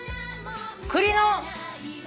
栗の。